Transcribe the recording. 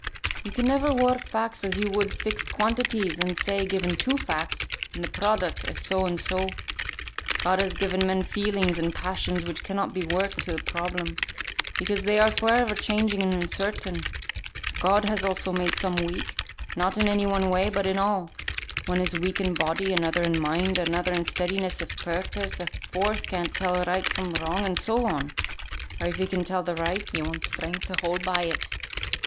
"You can never work facts as you would fixed quantities, and say, given two facts, and the product is so and so. God has given men feelings and passions which cannot be worked into the problem, because they are for ever changing and uncertain. God has also made some weak; not in any one way, but in all. One is weak in body, another in mind, another in steadiness of purpose, a fourth can't tell right from wrong, and so on; or if he can tell the right, he wants strength to hold by it.